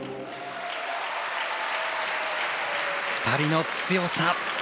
２人の強さ。